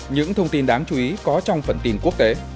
những thông tin đáng chú ý có trong phần tin quốc tế